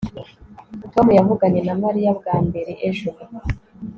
tom yavuganye na mariya bwa mbere ejo